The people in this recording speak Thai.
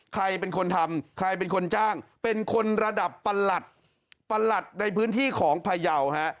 ใครเป็นคนทำใครเป็นคนจ้างเป็นคนระดับประหลัดประหลัดในพื้นที่ของพยาวฮะ